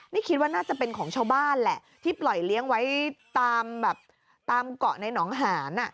นี่คิดว่าน่าจะเป็นของชาวบ้านแหละที่ปล่อยเลี้ยงไว้ตามแบบตามเกาะในหนองหาน